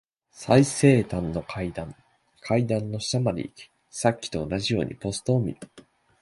最西端の階段。階段の下まで行き、さっきと同じようにポストを見る。